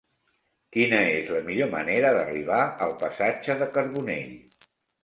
Quina és la millor manera d'arribar al passatge de Carbonell?